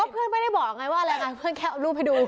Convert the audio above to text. เพื่อนไม่ได้บอกไงว่าอะไรไงเพื่อนแค่เอารูปให้ดู